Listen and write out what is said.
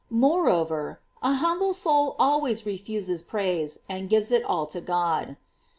Moreover, an humble soul also refuses praise, and gives it all to God.